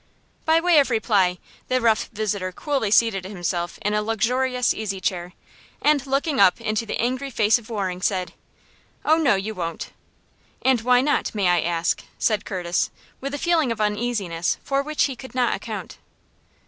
By way of reply, the rough visitor coolly seated himself in a luxurious easy chair, and, looking up into the angry face of Waring, said: "Oh, no, you won't." "And why not, may I ask?" said Curtis, with a feeling of uneasiness for which he could not account.